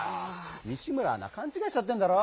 西村アナかんちがいしちゃってんだろ！